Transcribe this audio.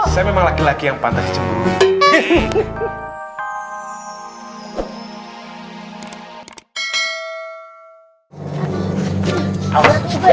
saya memang laki laki yang pantas cemburu